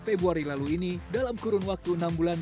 februari lalu ini dalam kurun waktu enam bulan